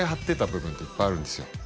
てた部分っていっぱいあるんですよ